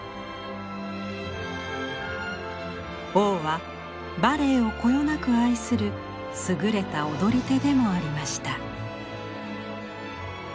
王はバレエをこよなく愛する優れた踊り手でもありました。